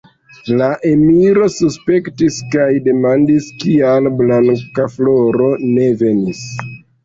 La emiro suspektis kaj demandis, kial Blankafloro ne venis.